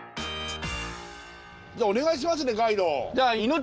じゃあお願いしますねガイド。